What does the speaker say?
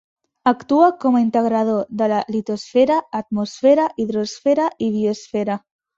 Actua com a integrador de la litosfera, atmosfera, hidrosfera i biosfera.